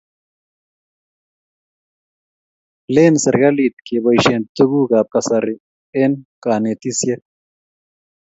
len serekalit kebaishien tuguk ab kasari eng kanatishiet